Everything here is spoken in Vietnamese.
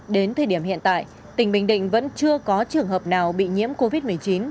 đến thời điểm hiện tại tỉnh bình định vẫn chưa có trường hợp nào bị nhiễm covid một mươi chín